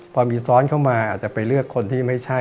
พอมีซ้อนเข้ามาอาจจะไปเลือกคนที่ไม่ใช่